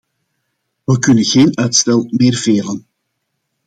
We kunnen geen enkel uitstel meer velen.